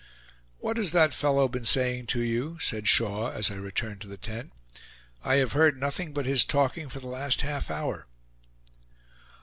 "What has that fellow been saying to you?" said Shaw, as I returned to the tent. "I have heard nothing but his talking for the last half hour."